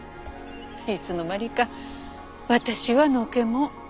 いつの間にか私はのけ者。